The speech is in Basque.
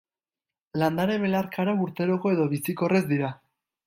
Landare belarkara urteroko edo bizikorrez dira.